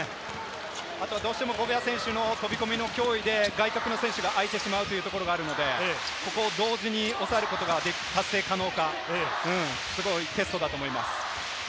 どうしてもゴベア選手の飛び込みの脅威で外角の選手が空いてしまうというところがあるので、同時に抑えることが達成可能か、すごいテストだと思います。